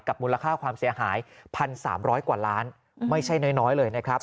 มูลค่าความเสียหาย๑๓๐๐กว่าล้านไม่ใช่น้อยเลยนะครับ